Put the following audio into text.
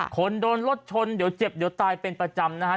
คนโดนรถชนเดี๋ยวเจ็บเดี๋ยวตายเป็นประจำนะฮะ